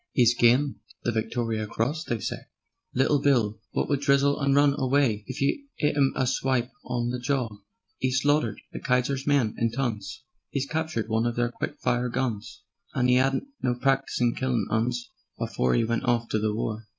'E's gyned the Victoriar Cross, they say; Little Bill wot would grizzle and run away, If you 'it 'im a swipe on the jawr. 'E's slaughtered the Kaiser's men in tons; 'E's captured one of their quick fire guns, And 'e 'adn't no practice in killin' 'Uns Afore 'e went off to the war.